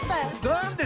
なんで？